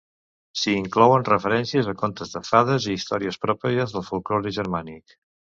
S'hi inclouen referències a contes de fades i històries pròpies del folklore germànic.